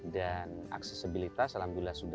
dan aksesibilitas alhamdulillah sudah